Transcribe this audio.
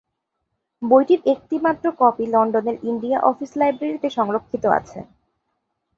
বইটির একটি মাত্র কপি লন্ডনের ইন্ডিয়া অফিস লাইব্রেরীতে সংরক্ষিত আছে।